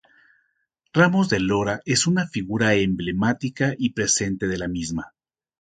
Ramos de Lora es una figura emblemática y presente de la misma.